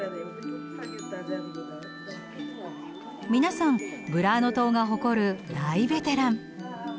皆さんブラーノ島が誇る大ベテラン。